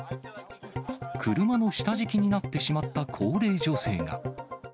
車の下敷きになってしまった高齢女性が。